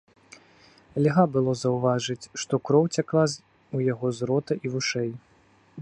Льга было заўважыць, што кроў цякла ў яго з рота і вушэй.